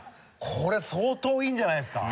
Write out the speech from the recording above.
これ相当いいんじゃないですか？